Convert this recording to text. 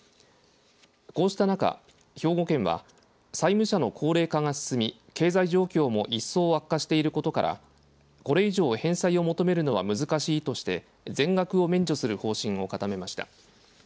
こうした中兵庫県は債務者の高齢化が進み経済状況も一層悪化していることからこれ以上返済を求めるのは難しいとして全額を免除する方針を固めました。